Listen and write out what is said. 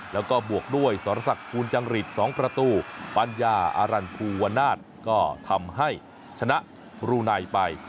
แล้วก็บวกด้วยสรษักภูลจังหริต๒ประตูปัญญาอรันภูวนาศก็ทำให้ชนะรูไนไป